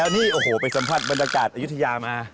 นี่โอ้โฮไปสัมพันธ์บรรดากาศอยุธยามา